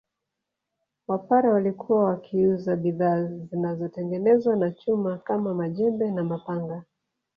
Wapare walikuwa wakiuza bidhaa zinazotengenezwa na chuma kama majembe na mapanga